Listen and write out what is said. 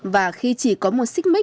và khi chỉ có một xích mít